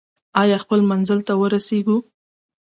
او خپل منزل ته ورسیږو.